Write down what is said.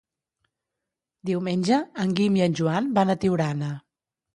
Diumenge en Guim i en Joan van a Tiurana.